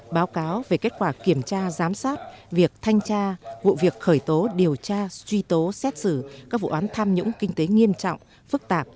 báo cáo về kết quả kiểm tra giám sát việc thanh tra vụ việc khởi tố điều tra truy tố xét xử các vụ án tham nhũng kinh tế nghiêm trọng phức tạp